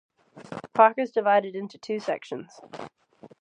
The park is divided into two sections.